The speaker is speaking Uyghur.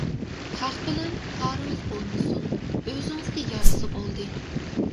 خەق بىلەن كارىڭىز بولمىسۇن، ئۆزىڭىزگە يارسا بولدى.